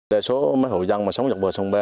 để số mấy hộ dân mà sống dọc bờ sông ba